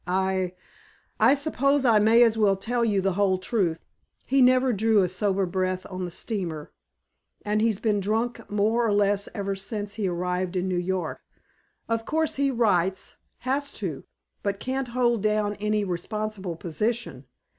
I I suppose I may as well tell you the whole truth. He never drew a sober breath on the steamer and he's been drunk more or less ever since he arrived in New York. Of course he writes has to but can't hold down any responsible position.